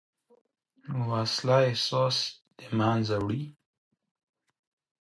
وسله احساس له منځه وړي